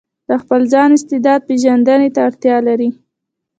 د خپل ځان استعداد پېژندنې ته اړتيا لري.